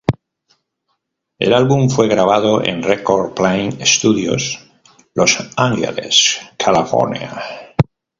El álbum fue grabado en Record Plant Studios, Los Angeles, California.